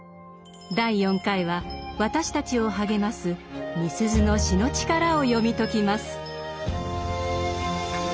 第４回は私たちを励ますみすゞの詩の力を読み解きます。